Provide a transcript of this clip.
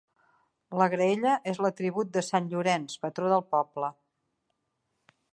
La graella és l'atribut de sant Llorenç, patró del poble.